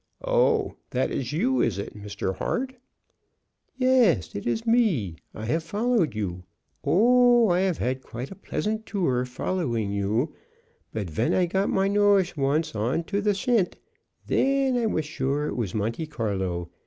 "Oh, that is you, is it, Mr. Hart?" "Yesh; it is me. I have followed you. Oh, I have had quite a pleasant tour following you. But ven I got my noshe once on to the schent then I was sure it was Monte Carlo.